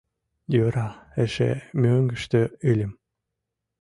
Йӧра эше мӧҥгыштӧ ыльым.